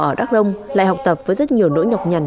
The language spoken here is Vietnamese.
ở đắk rông lại học tập với rất nhiều nỗi nhọc nhằn